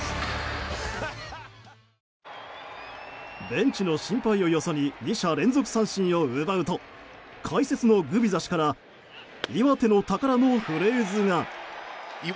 ベンチの心配をよそに２者連続三振を奪うと解説のグビザ氏から岩手の宝のフレーズが。